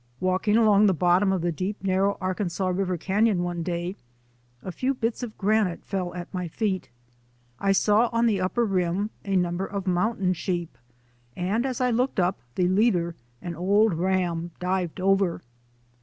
Walking along the bottom of the deep, narrow Arkansas River canon one day a few bits of granite fell at my feet. I saw on the upper rim a number of mountain sheep, and as I looked up the leader, an old ram, dived over."